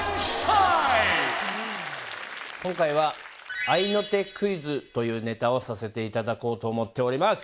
今回はというネタをさせていただこうと思っております